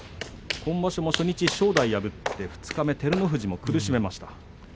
今場所、初日に正代を破って二日目照ノ富士も苦しめました。